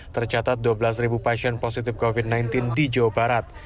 tercatat dua belas pasien positif covid sembilan belas di jawa barat